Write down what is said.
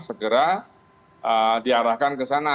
segera diarahkan ke sana